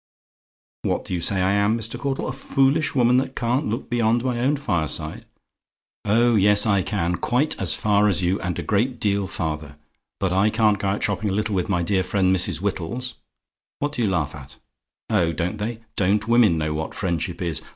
"What do you say I am, Mr. Caudle? "A FOOLISH WOMAN, THAT CAN'T LOOK BEYOND MY OWN FIRESIDE? "Oh yes, I can; quite as far as you, and a great deal farther. But I can't go out shopping a little with my dear friend Mrs. Wittles what do you laugh at? Oh, don't they? Don't women know what friendship is?